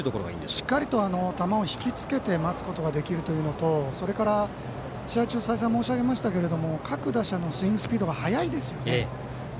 しっかりと球をひきつけてから打つことができるというのとそれから試合中、再三申し上げましたけども各打者のスイングスピードが速いですね。